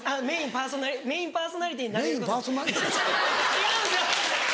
違うんですよ！